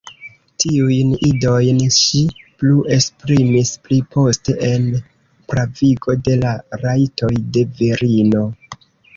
Tiujn ideojn ŝi plu esprimis pliposte en "Pravigo de la Rajtoj de Virino".